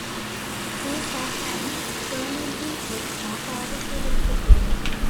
Tree sap and fermenting fruit are particularly popular.